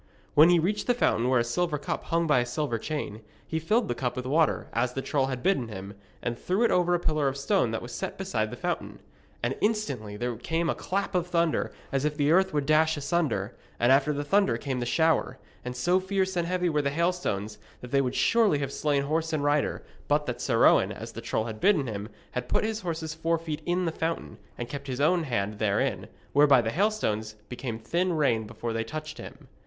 When he reached the fountain where a silver cup hung by a silver chain, he filled the cup with water, as the troll had bidden him, and threw it over a pillar of stone that was set beside the fountain. And instantly there came a clap of thunder as if the earth would dash asunder, and after the thunder came the shower, and so fierce and heavy were the hailstones that they would surely have slain horse and rider, but that Sir Owen, as the troll had bidden him, had put his horse's forefeet in the fountain, and kept his own hand therein, whereby the hailstones became thin rain before they touched him.